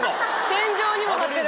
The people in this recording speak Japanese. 天井にも張ってる。